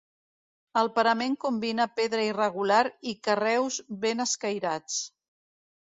El parament combina pedra irregular i carreus ben escairats.